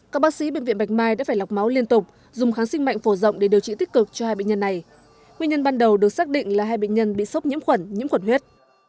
các bác sĩ bệnh viện bạch mai đã phải lọc máu liên tục dùng kháng sinh mạnh phổ rộng để điều trị tích cực cho hai bệnh nhân này nguyên nhân ban đầu được xác định là hai bệnh nhân bị sốc nhiễm khuẩn nhiễm khuẩn huyết